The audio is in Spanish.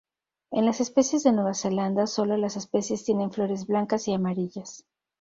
En las especies de Nueva Zelanda sólo las especies tienen flores blancas y amarillas.